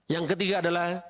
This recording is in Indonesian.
yang ketiga adalah